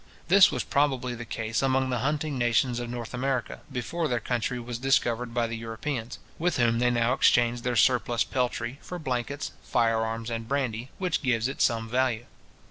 This was probably the case among the hunting nations of North America, before their country was discovered by the Europeans, with whom they now exchange their surplus peltry, for blankets, fire arms, and brandy, which gives it some value.